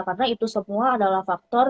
karena itu semua adalah faktor